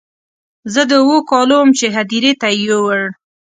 زه د اوو کالو وم چې هدیرې ته یې یووړ.